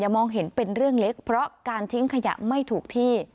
มองเห็นเป็นเรื่องเล็กเพราะการทิ้งขยะไม่ถูกที่